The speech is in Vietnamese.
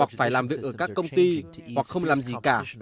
hoặc phải làm việc ở các công ty hoặc không làm gì cả